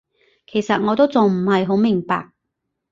其實我都仲唔係好明白